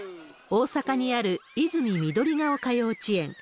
大阪にある和泉緑ヶ丘幼稚園。